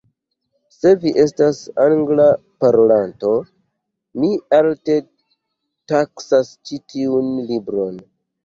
Se vi estas Angla parolanto, mi alte taksas ĉi tiun libron.